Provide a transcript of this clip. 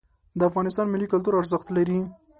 د افغانستان ملي کلتور ارزښت لري.